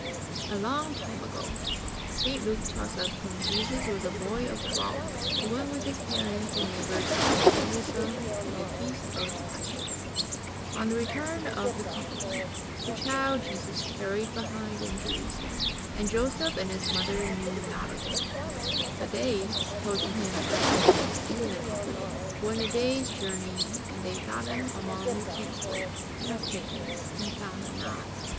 A long time ago, St. Luke tells US when Jesus was a boy of twelve, He went with His parents and neighbours up to Jerusalem to the Feast of the Passover. On the return of the company, the child Jesus tarried behind in Jerusalem. "And Joseph and His mother knew not of it. But they, supposing Him to have been in the company, went a day's journey ; and they sought Him among their kinsfolk and acquaintance and found Him not."